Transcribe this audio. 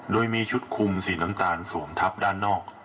โดยมีชุดคุมสีน้ำตาลสวมทับด้านนอก